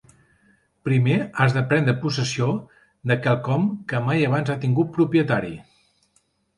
Primer has de prendre possessió de quelcom que mai abans ha tingut propietari.